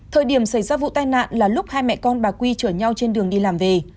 thời điểm xảy ra vụ tai nạn là lúc hai mẹ con bà quy chở nhau trên đường đi làm về